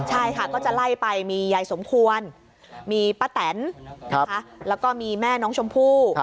ใช่ค่ะก็จะไล่ไปมียายสมควรมีป้าแตนแล้วก็มีแม่น้องชมพู่